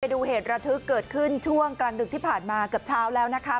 ดูเหตุระทึกเกิดขึ้นช่วงกลางดึกที่ผ่านมาเกือบเช้าแล้วนะคะ